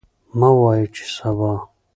مه وایئ چې سبا.